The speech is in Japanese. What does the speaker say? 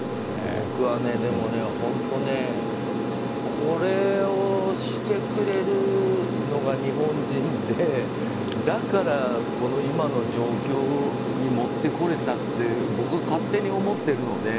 僕は、でも本当にこれをしてくれるのが日本人で、だから今の状況に持ってこれたって僕は勝手に思ってるので。